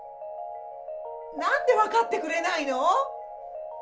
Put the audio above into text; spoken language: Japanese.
なんで分かってくれないの。